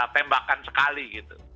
tembakan sekali gitu